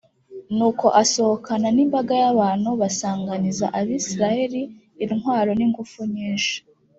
nuko asohokana n’imbaga y’abantu basanganiza abayisraheli intwaro n’ingufu nyinshi.